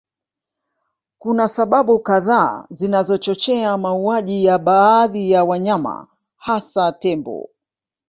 Kuna sababu kadhaa zinazochochea mauaji ya baadhi ya wanyama hasa Tembo